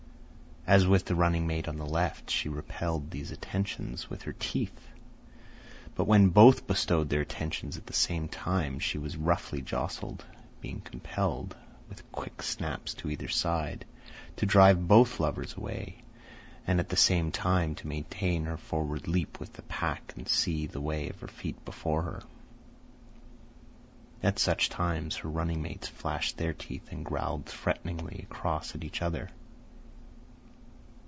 As with the running mate on the left, she repelled these attentions with her teeth; but when both bestowed their attentions at the same time she was roughly jostled, being compelled, with quick snaps to either side, to drive both lovers away and at the same time to maintain her forward leap with the pack and see the way of her feet before her. At such times her running mates flashed their teeth and growled threateningly across at each other.